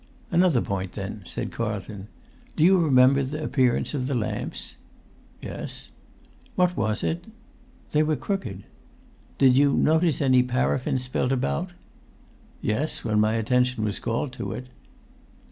"Another point, then," said Carlton: "do you remember the appearance of the lamps?" "Yes." "What was it?" "They were crooked." "Did you notice any paraffin spilt about?" "Yes, when my attention was called to it."